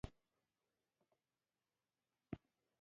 یارمی مغل د زړه کینې ساتي